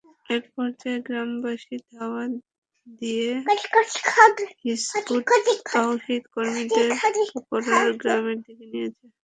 একপর্যায়ে গ্রামবাসী ধাওয়া দিয়ে হিজবুত তওহিদ কর্মীদের পোরকরা গ্রামের দিকে নিয়ে যায়।